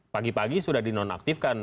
pagi pagi sudah dinonaktifkan